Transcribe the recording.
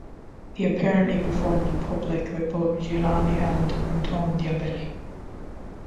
He apparently performed in public with both Giuliani and Anton Diabelli.